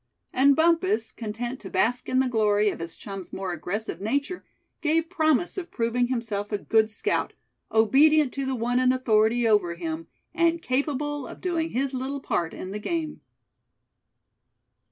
And Bumpus, content to bask in the glory of his chum's more aggressive nature, gave promise of proving himself a good scout, obedient to the one in authority over him and capable of doing his little part in the game.